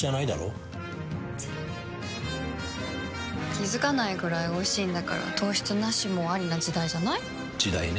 気付かないくらいおいしいんだから糖質ナシもアリな時代じゃない？時代ね。